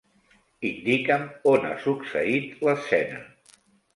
Indica'm on ha succeït l'escena.